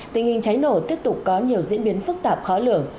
tình hình cháy nổ tiếp tục có nhiều diễn biến phức tạp khó lường